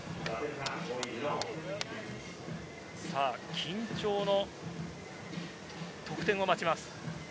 緊張の得点を待ちます。